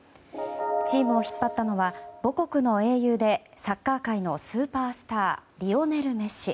チームを引っ張ったのは母国の英雄でサッカー界のスーパースターリオネル・メッシ。